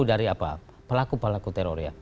dari pelaku pelaku teror